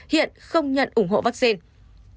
hiện không nhận ủng hộ vaccine